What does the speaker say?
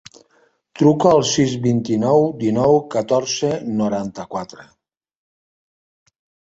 Truca al sis, vint-i-nou, dinou, catorze, noranta-quatre.